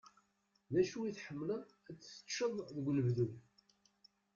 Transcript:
D acu i tḥemmleḍ ad t-teččeḍ deg unebdu?